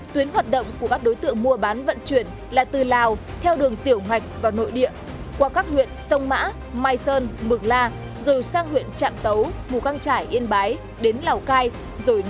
tuyến hoạt động của các đối tượng mua bán vận chuyển là từ lào theo đường tiểu ngạch vào nội địa qua các huyện sông mã mai sơn mường la rồi sang huyện trạm tấu mù căng trải yên bái đến lào cai